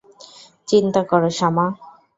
চিন্তা কর, শামা।